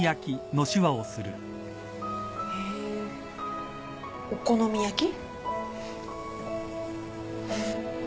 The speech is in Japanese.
へぇお好み焼き？